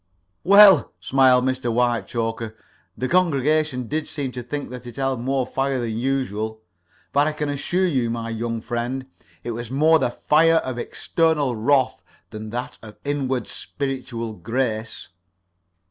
"Well," smiled Mr. Whitechoker, "the congregation did seem to think that it held more fire than usual; but I can assure you, my young friend, it was more the fire of external wrath than of an inward spiritual grace."